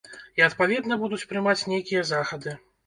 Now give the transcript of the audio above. І адпаведна будуць прымаць нейкія захады.